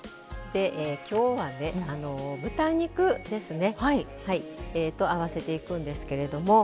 きょうは、豚肉と合わせていくんですけれども。